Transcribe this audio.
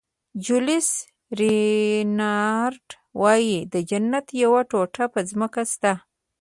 جولیس رینارډ وایي د جنت یوه ټوټه په ځمکه شته.